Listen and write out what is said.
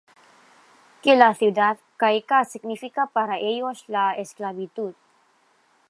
Que la ciudad caiga significa para ellos la esclavitud.